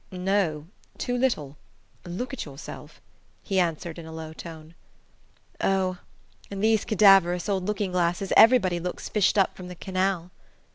"No: too little. Look at yourself," he answered in a low tone. "Oh, in these cadaverous old looking glasses everybody looks fished up from the canal!"